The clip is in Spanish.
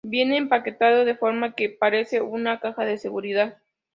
Viene empaquetado de forma que parece una caja de seguridad.